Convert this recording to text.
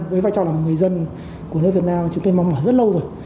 với vai trò là người dân của nước việt nam chúng tôi mong mở rất lâu rồi